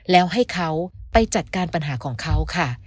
แล้วให้เขาไปจัดการปัญหาของเขาค่ะ